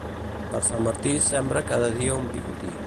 Per Sant Martí sembra cada dia un picotí.